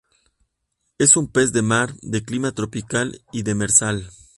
Es un pez de Mar, de clima tropical y demersal.